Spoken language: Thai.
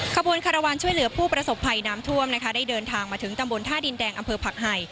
ขบวนคารวาลช่วยเหลือผู้ประสบภัยน้ำท่วมนะคะได้เดินทางมาถึงตำบลท่าดินแดงอำเภอผักไห่